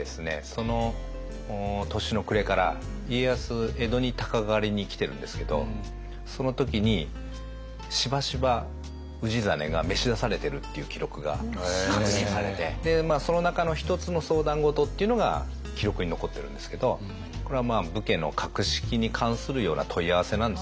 その年の暮れから家康江戸に鷹狩りに来てるんですけどその時にしばしば氏真が召し出されてるっていう記録が確認されてその中の一つの相談事っていうのが記録に残ってるんですけどこれは武家の格式に関するような問い合わせなんですよね。